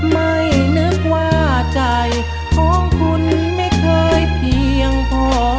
ไม่นึกว่าใจของคุณไม่เคยเพียงพอ